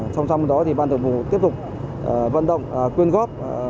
trong đó ban thủ tỉnh đoàn tiếp tục vận động quyên góp